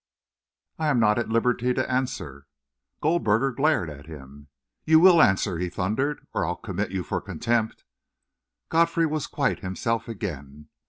"I am not at liberty to answer." Goldberger glared at him. "You will answer," he thundered, "or I'll commit you for contempt!" Godfrey was quite himself again.